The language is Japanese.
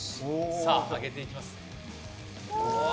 さあ揚げていきますわあ